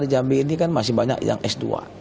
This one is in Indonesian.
kita inginharakan semuanya dokter